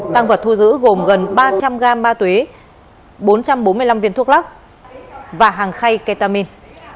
tăng vật thu giữ gồm gần ba trăm linh gam ma túy bốn trăm bốn mươi năm viên thuốc lắc và hàng khay ketamin